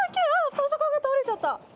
パソコンが倒れちゃった。